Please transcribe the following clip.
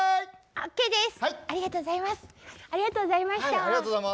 ありがとうございます。